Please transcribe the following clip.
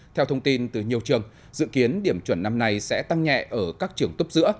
theo thông tin từ nhiều trường dự kiến điểm chuẩn năm nay sẽ tăng nhẹ ở các trường tốt giữa